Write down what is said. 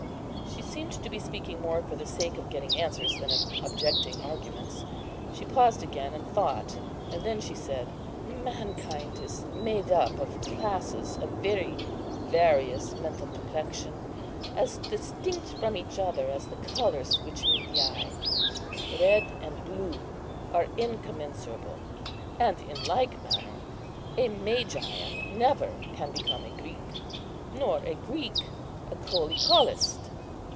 She seemed to be speaking more for the sake of getting answers than of objecting arguments. She paused again, and thought; then she said, "Mankind is made up of classes of very various mental complexion, as distinct from each other as the colours which meet the eye. Red and blue are incommensurable; and in like manner, a Magian never can become a Greek, nor a Greek a Cœlicolist.